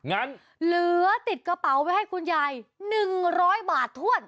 งั้นเหลือติดกระเป๋าไว้ให้คุณยาย๑๐๐บาทถ้วน